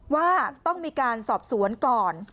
ว่าต้องมีการสอบสวนก่อน